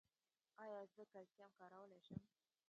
ایا زه کلسیم کارولی شم؟